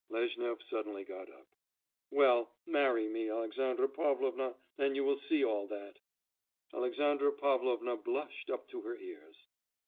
Lezhnyov suddenly got up. 'Well, marry me, Alexandra Pavlovna, and you will see all that' Alexandra Pavlovna blushed up to her ears.